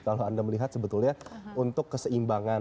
kalau anda melihat sebetulnya untuk keseimbangan